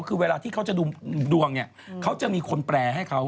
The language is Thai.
คือเวลาที่เขาจะดูดวงเนี่ยเขาจะมีคนแปลให้เขา